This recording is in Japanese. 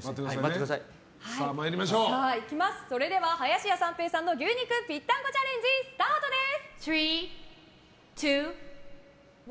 それでは、林家三平さんの牛肉ぴったんこチャレンジスタートです！